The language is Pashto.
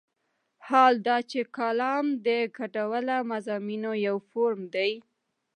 حال دا چې کالم د ګډوله مضامینو یو فورم دی.